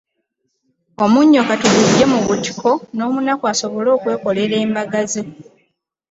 Omunnyo ka tuguggye mu butiko n’omunaku asobole okwekolera embaga ze.